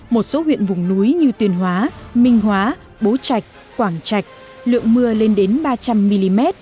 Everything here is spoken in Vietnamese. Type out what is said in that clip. một số huyện vùng núi như tuyên hóa minh hóa bố trạch quảng trạch lượng mưa lên đến ba trăm linh mm